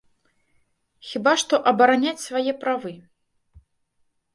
Хіба што абараняць свае правы.